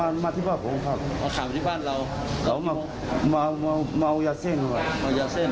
แล้วตอนเย็นได้เจออาผ่าไหม